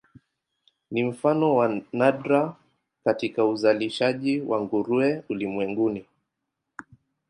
Ni mfano wa nadra katika uzalishaji wa nguruwe ulimwenguni.